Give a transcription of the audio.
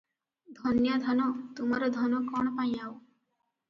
ଧନ୍ୟ ଧନ! ତୁମର ଧନ କଣ ପାଇଁ ଆଉ ।